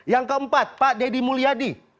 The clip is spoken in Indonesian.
yang keempat pak deddy mulyadi